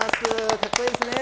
かっこいいですね。